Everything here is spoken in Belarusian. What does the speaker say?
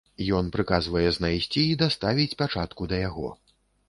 Ён прыказвае знайсці і даставіць пячатку да яго.